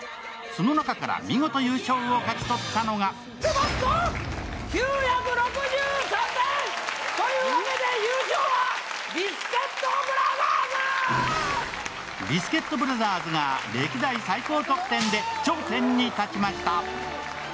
その中から見事優勝を勝ち取ったのがビスケットブラザーズが歴代最高得点で頂点に立ちました。